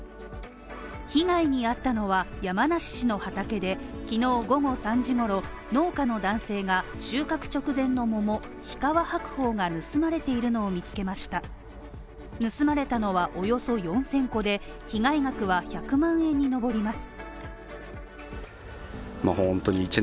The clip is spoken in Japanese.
被害に遭ったのは山梨市の畑で、きのう午後３時ごろ、農家の男性が収穫直前の桃日川白鳳が盗まれているのを見つけました盗まれたのはおよそ４０００個で、被害額は１００万円に上ります。